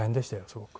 すごく。